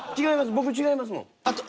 僕違いますもん。